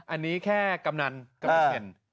อันนี้แค่กำนันกำนันเคน